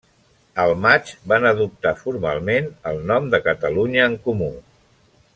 Al maig van adoptar formalment el nom de Catalunya en Comú.